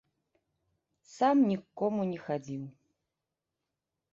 Сам ні к кому не хадзіў.